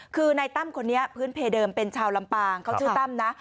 คือนายตั้มคนนี้พื้นเพเดิมเป็นชาวลำปางเขาชื่อตั้มนะ